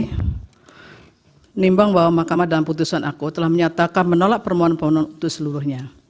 menimbang bahwa makamah dalam keputusan aku telah menyatakan menolak permohonan pemohonan untuk seluruhnya